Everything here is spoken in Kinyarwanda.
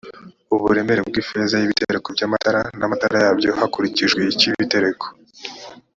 uburemere bw ifeza y ibitereko by amatara n amatara yabyo hakurikijwe icyo ibitereko